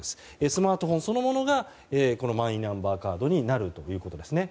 スマートフォンそのものがこのマイナンバーカードになるということですね。